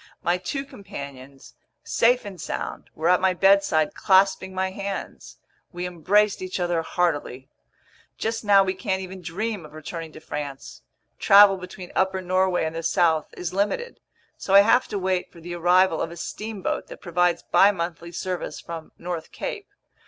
My two companions, safe and sound, were at my bedside clasping my hands. We embraced each other heartily. Just now we can't even dream of returning to France. Travel between upper Norway and the south is limited. So I have to wait for the arrival of a steamboat that provides bimonthly service from North Cape.